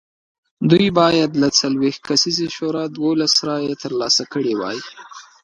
دوی باید له څلوېښت کسیزې شورا دولس رایې ترلاسه کړې وای